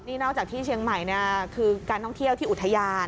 นี่นอกจากที่เชียงใหม่คือการท่องเที่ยวที่อุทยาน